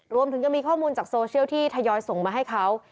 รวมถึงยังมีข้อมูลจากโซเชียลที่ทยอยส่งมาให้เขา